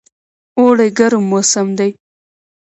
اوړی ګرم موسم دی